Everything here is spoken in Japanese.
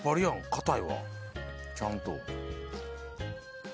硬いわちゃんと。